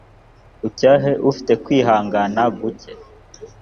ucyahe ufite kwihangana guke